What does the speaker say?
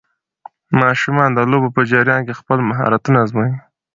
ماشومان د لوبو په جریان کې خپل مهارتونه ازمويي.